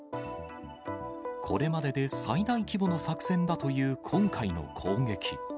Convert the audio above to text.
これまでで最大規模の作戦だという今回の攻撃。